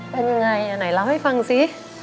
เป็นยังไงอันไหนเล่าให้ฟังสิ